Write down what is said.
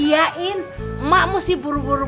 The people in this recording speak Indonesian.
ya udah kalau gitu